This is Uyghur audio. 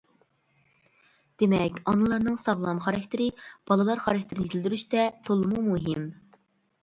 دېمەك، ئانىلارنىڭ ساغلام خاراكتېرى بالىلار خاراكتېرىنى يېتىلدۈرۈشتە تولىمۇ مۇھىم.